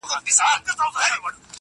چي يو ځل بيا څوک په واه ،واه سي راته.